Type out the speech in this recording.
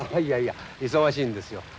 いやいや忙しいんですよ。